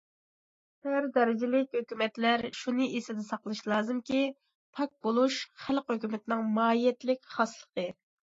ھەر دەرىجىلىك ھۆكۈمەتلەر شۇنى ئېسىدە ساقلىشى لازىمكى، پاك بولۇش خەلق ھۆكۈمىتىنىڭ ماھىيەتلىك خاسلىقى.